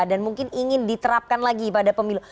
mungkin ingin diterapkan lagi pada pemilu